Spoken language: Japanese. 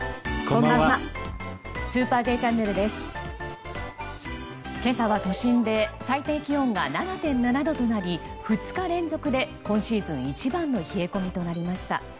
今朝は都心で最低気温が７．７度となり２日連続で今シーズン一番の冷え込みとなりました。